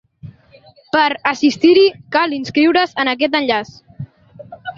Per assistir-hi, cal inscriure’s en aquest enllaç.